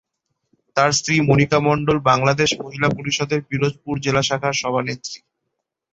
তার স্ত্রী মনিকা মন্ডল বাংলাদেশ মহিলা পরিষদের পিরোজপুর জেলা শাখার সভানেত্রী।